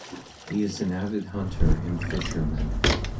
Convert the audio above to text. He is an avid hunter and fisherman.